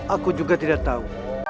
aku juga tidak tahu